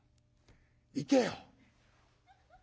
行けよ」。